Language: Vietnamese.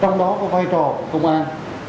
trong đó có vai trò của công an